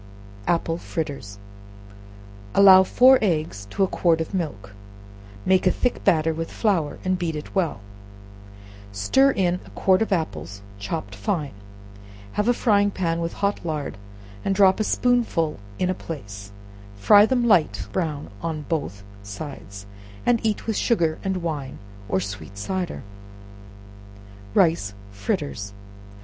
Apple Fritters. Allow four eggs to a quart of milk; make a thick batter with flour, and beat it well; stir in a quart of apples, chopped fine: have a frying pan with hot lard, and drop a spoonful in a place; fry them light brown on both sides, and eat with sugar and wine, or sweet cider. Rice Fritters.